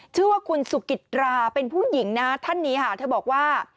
ชื่อว่าคุณสุกิตราเป็นผู้หญิงนะท่านนี้ค่ะเธอบอกว่า